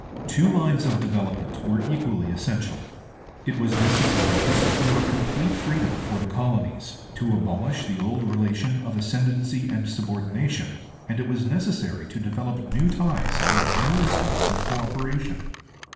Two lines of development were equally essential. It was necessary to secure complete freedom for the colonies, to abolish the old relation of ascendancy and subordination, and it was necessary to develop new ties and new instruments of co operation.